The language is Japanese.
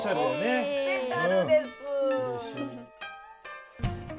スペシャルやね。